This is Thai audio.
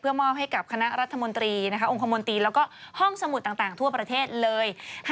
มอบให้กับคณะรัฐมนตรีองคมนตรีแล้วก็ห้องสมุดต่างทั่วประเทศเลย